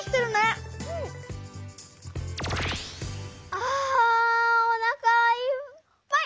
あおなかいっぱい！